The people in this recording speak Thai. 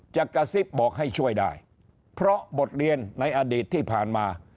กระซิบบอกให้ช่วยได้เพราะบทเรียนในอดีตที่ผ่านมา